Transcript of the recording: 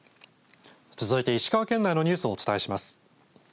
続いて石川県内のニュースをお伝えします。